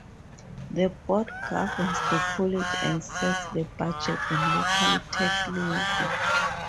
The board governs the college and sets the budget and local tax levy.